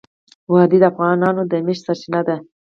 وادي د افغانانو د معیشت سرچینه ده.